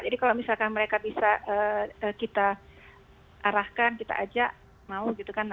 jadi kalau misalkan mereka bisa kita arahkan kita ajak mau gitu kan